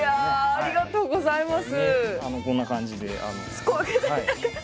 ありがとうございます。